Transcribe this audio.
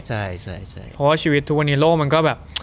ใช่เพราะว่าชีวิตทุกวันนี้โลกมันก็แบบ